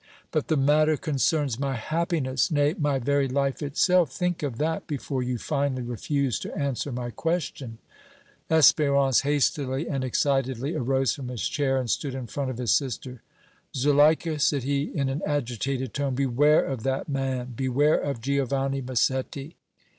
"But the matter concerns my happiness, nay, my very life itself; think of that before you finally refuse to answer my question!" Espérance hastily and excitedly arose from his chair and stood in front of his sister. "Zuleika," said he, in an agitated tone, "beware of that man beware of Giovanni Massetti!"